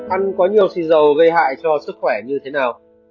ăn có nhiều xì dầu gây hại cho sức khỏe như thế nào